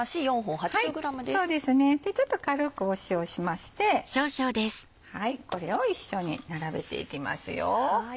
ちょっと軽く塩しましてこれを一緒に並べていきます。